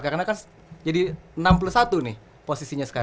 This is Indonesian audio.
karena kan jadi enam puluh satu nih posisinya sekarang